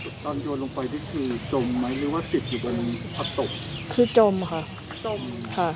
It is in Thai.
ตอนโยนลงไปนี่คือจมไหมหรือว่าติดอยู่บนผักตบคือจมค่ะจมค่ะ